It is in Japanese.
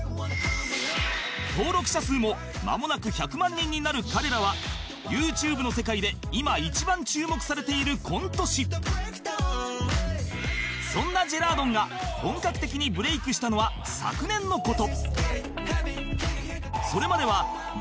登録者数もまもなく１００万人になる彼らは ＹｏｕＴｕｂｅ の世界でそんなジェラードンが本格的にブレイクしたのは昨年の事